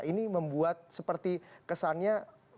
ini membuat seperti kesannya